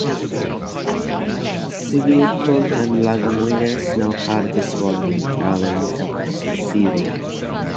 Severe cold and lack of winter snow had destroyed many early winter wheat seedlings.